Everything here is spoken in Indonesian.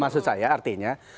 maksud saya artinya